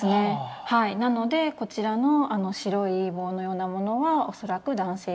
なのでこちらの白い棒のようなものは恐らく男性器。